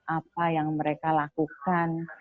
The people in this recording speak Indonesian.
apa yang mereka lakukan